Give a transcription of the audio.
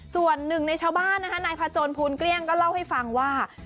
ส่วนหนึ่งในชาวบ้านนะคะนายพจนภูลเกลี้ยงก็เล่าให้ฟังว่า